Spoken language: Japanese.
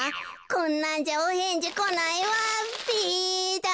こんなんじゃおへんじこないわべだ。